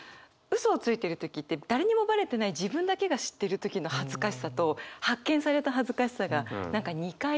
嘘をついてる時って誰にもバレてない自分だけが知ってる時の恥ずかしさと発見された恥ずかしさが何か２回ある気がするので。